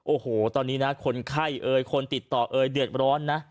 โอ้โหตอนนี้นะคนไข้เอ่ยคนติดต่อเอยเดือดร้อนนะ